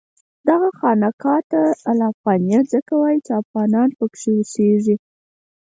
دغه خانقاه ته الافغانیه ځکه وایي چې افغانان پکې اوسېږي.